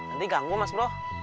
nanti ganggu mas bro